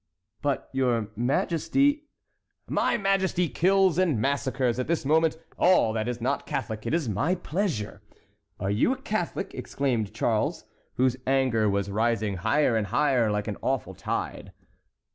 "But, your Majesty"— "My Majesty kills and massacres at this moment all that is not Catholic; it is my pleasure. Are you a Catholic?" exclaimed Charles, whose anger was rising higher and higher, like an awful tide.